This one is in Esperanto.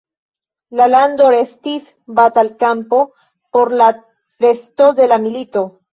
La lando restis batalkampo por la resto de la milito.